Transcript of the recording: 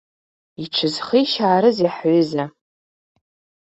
Иҽызхишьаарызи ҳҩыза?